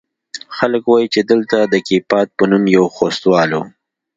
خلق وايي چې دلته د کيپات په نوم يو خوستوال و.